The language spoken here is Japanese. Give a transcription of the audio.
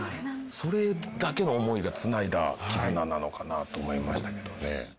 それだけの思いがつないだ絆なのかなと思いましたけどね